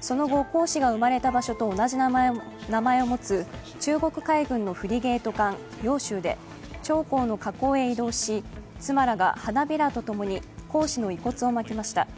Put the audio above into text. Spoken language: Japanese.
その後、江氏が生まれた場所と同じ名前を持つ中国海軍のフリゲート艦「揚州」で長江の河口へ移動し、妻らが花びらとともに、江氏の遺骨をまきました。